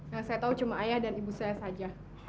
yang saya tahu cuma ayah dan ibu saya saja